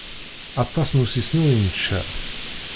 Aṭas n usisnu i nečča.